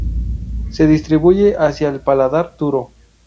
Se distribuye hacia el paladar duro.